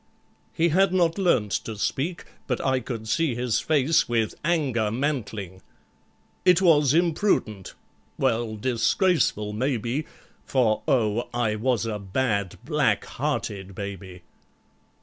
He had not learnt to speak, But I could see his face with anger mantling. It was imprudent—well, disgraceful maybe, For, oh! I was a bad, black hearted baby!